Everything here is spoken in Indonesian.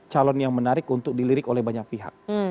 calon yang menarik untuk dilirik oleh banyak pihak